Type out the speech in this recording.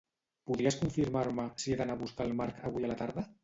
Podries confirmar-me si he d'anar a buscar al Marc avui a la tarda?